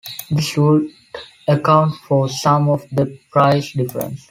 This would account for some of the price difference.